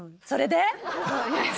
それで？